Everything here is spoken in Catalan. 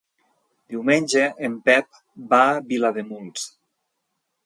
Diumenge en Pep va a Vilademuls.